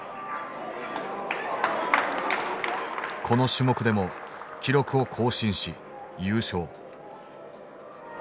この種目でも記録を更新し優勝。